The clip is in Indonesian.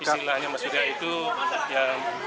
istilahnya mesuryak itu yang